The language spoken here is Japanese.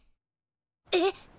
えっ。